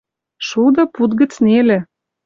Шуды пуд гӹц нелӹ!